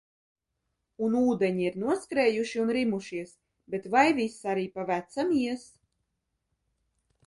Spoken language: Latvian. Un ūdeņi ir noskrējuši un rimušies, bet vai viss arī pa vecam ies?